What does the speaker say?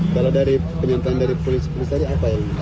kalau dari penyelidikan dari polisi polis tadi apa yang berapa